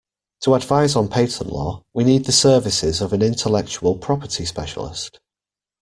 To advise on patent law, we need the services of an intellectual property specialist